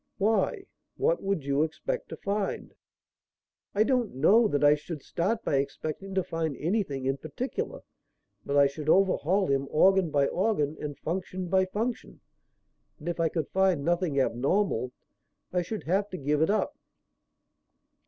"Why? What would you expect to find?" "I don't know that I should start by expecting to find anything in particular. But I should overhaul him organ by organ and function by function, and if I could find nothing abnormal I should have to give it up."